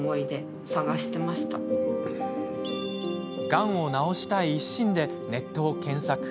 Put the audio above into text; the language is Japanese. がんを治したい一心でネットを検索。